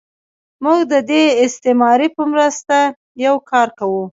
موږ د دې استعارې په مرسته یو کار کوو.